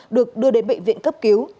được đưa đến bệnh viện cấp cứu